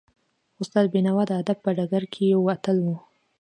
استاد بینوا د ادب په ډګر کې یو اتل و.